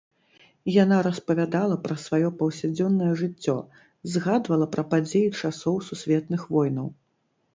Яна распавядала пра сваё паўсядзённае жыццё, згадвала пра падзеі часоў сусветных войнаў.